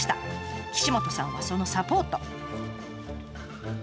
岸本さんはそのサポート。